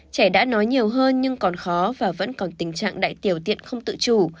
trẻ đã nói nhiều hơn nhưng còn khó và vẫn còn tình trạng đại tiểu tiện không tự chủ